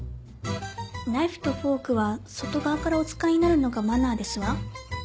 ナイフとフォークは外側からお使いになるのがマナーですわ。